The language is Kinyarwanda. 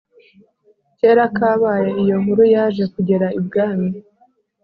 kera kabaye iyo nkuru yaje kugera i bwami